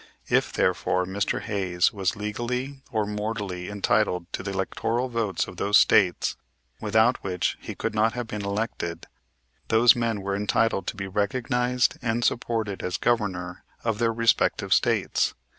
If, therefore, Mr. Hayes was legally or mortally entitled to the electoral votes of those States, without which he could not have been elected, those men were entitled to be recognized and supported as Governor of their respective States.